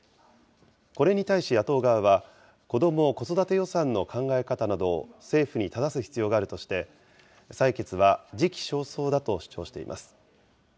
これに対し、野党側は子ども・子育て予算の考え方などを政府にただす必要があるとして、採決は時期尚早だと主張しています。